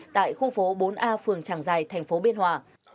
tại khu phố bốn a phường tràng giài tp biên hòa